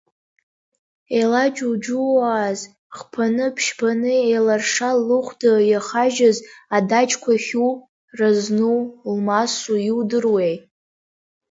Еилаџьуџьууаз, хԥаны, ԥшьбаны, еиларша лыхәда иахажьыз адаҷқәа хьу, разну, лмасу иудыруеи.